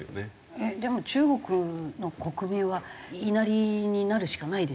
えっでも中国の国民は言いなりになるしかないでしょ？